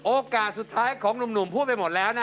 โอกาสสุดท้ายของหนุ่มพูดไปหมดแล้วนะ